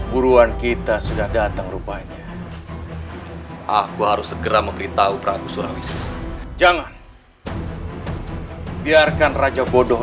buruan kita sudah datang rupanya aku harus segera memberitahu pragusuransi jangan biarkan raja bodoh